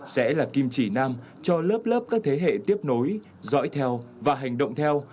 sẽ là kim chỉ nam cho lớp lớp các thế hệ tiếp nối dõi theo và hành động theo